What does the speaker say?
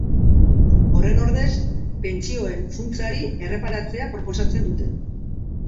Horren ordez, pentsioen funtsari erreparatzea proposatzen dute.